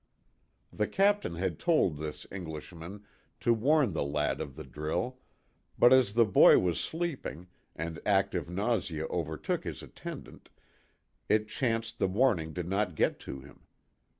The captain had told this Englishman to warn the lad of the drill, but as the boy was sleeping, and active nausea overtook his attend ant, it chanced the warning did not get to him.